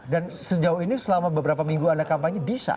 sejauh ini selama beberapa minggu anda kampanye bisa